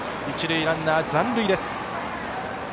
一塁ランナー、残塁です。